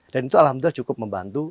dan itu alhamdulillah cukup membantu